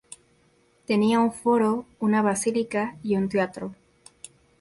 Tenía un foro, una basílica y un teatro.